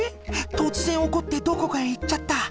突然怒ってどこかへ行っちゃった。